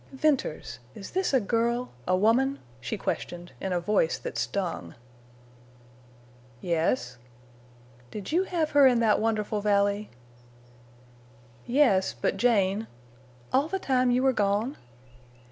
"Venters! is this a girl—a woman?" she questioned, in a voice that stung. "Yes." "Did you have her in that wonderful valley?" "Yes, but Jane—" "All the time you were gone?"